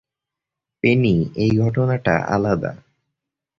Penney, এই ঘটনাটা আলাদা।